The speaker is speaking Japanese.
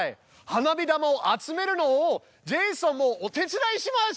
花火玉を集めるのをジェイソンもお手伝いします！